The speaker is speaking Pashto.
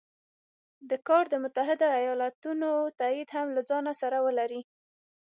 دا کار د متحدو ایالتونو تایید هم له ځانه سره ولري.